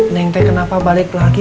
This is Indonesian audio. nengte kenapa balik lagi